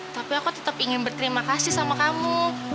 tapi aku tetap ingin berterima kasih sama kamu